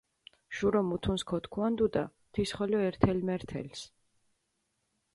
შურო მუთუნს ქოთქუანდუდა, თის ხოლო ერთელ-მერთელს.